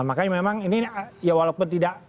makanya memang ini ya walaupun tidak